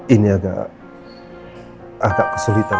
ini agak kesulitan